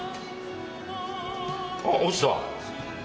あっ落ちた。